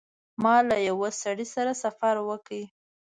ما له یوه سړي سره سفر وکړ.